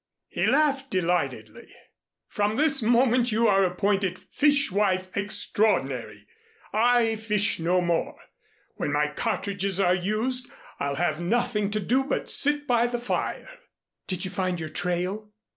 He laughed delightedly. "From this moment you are appointed Fish wife Extraordinary. I fish no more. When my cartridges are used I'll have nothing to do but sit by the fire." "Did you find your trail?"